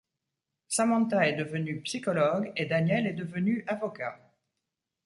Samantha est devenue psychologue et Daniel est devenu avocat.